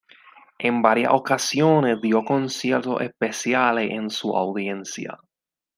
En varias ocasiones dio conciertos especiales en su audiencia.